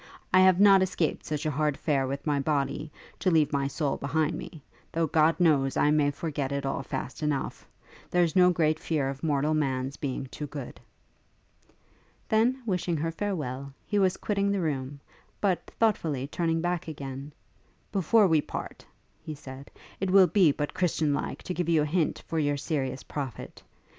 I have not escaped from such hard fare with my body, to leave my soul behind me; though, God knows, I may forget it all fast enough. There's no great fear of mortal man's being too good.' Then, wishing her farewell, he was quitting the room, but, thoughtfully turning back, 'Before we part,' he said, 'it will be but Christian like to give you a hint for your serious profit.